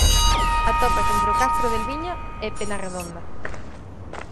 Atópase entre O Castro de Elviña e Penarredonda.